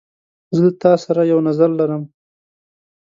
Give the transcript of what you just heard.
زه له تا سره یو نظر لرم.